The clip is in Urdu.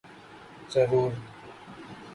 ضرور۔